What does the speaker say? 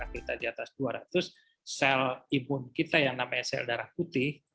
kita di atas dua ratus sel imun kita yang namanya sel darah putih